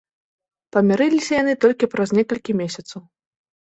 Памірыліся яны толькі праз некалькі месяцаў.